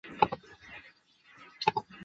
还有很多贷款要还哪